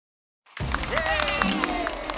イエーイ！